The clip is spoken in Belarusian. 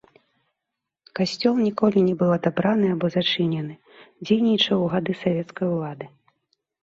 Касцёл ніколі не быў адабраны або зачынены, дзейнічаў у гады савецкай улады.